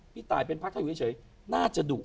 พี่ตายเป็นพักถ้าอยู่เฉยน่าจะดุ